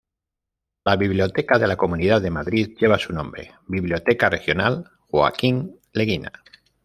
La biblioteca de la Comunidad de Madrid lleva su nombre: Biblioteca Regional Joaquín Leguina.